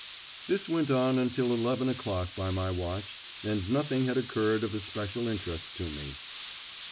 This went on until eleven o'clock by my watch, and nothing had occurred of especial interest to me.